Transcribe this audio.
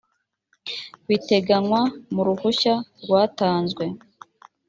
biteganywa mu ruhushya rwatanzwe